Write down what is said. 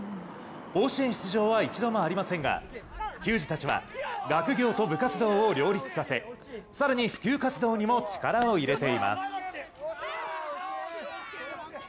甲子園出場は一度もありませんが球児たちは学業と部活動を両立させ更に普及活動にも力を入れています。